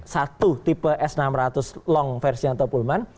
satu tipe s enam ratus long versi atau pullman